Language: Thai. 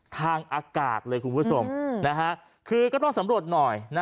ทางอากาศเลยคุณผู้ชมคือก็ต้องสำรวจหน่อย